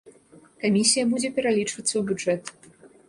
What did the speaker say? Камісія будзе пералічвацца ў бюджэт.